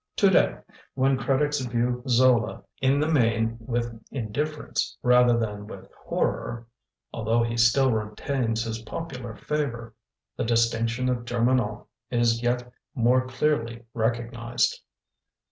To day, when critics view Zola In the main with indifference rather than with horror, although he still retains his popular favour, the distinction of Germinal is yet more clearly recognized.